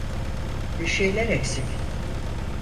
Bir şeyler eksik.